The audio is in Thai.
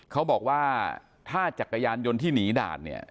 เขาบอกว่าถ้าจักรยานยนต์ที่หนีด่านเนี่ย